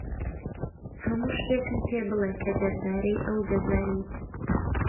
هەموو شتێکم پێ بڵێ کە دەربارەی ئەو دەزانیت.